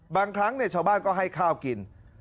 บางครั้งชาวบ้านก็ให้ข้าวกิน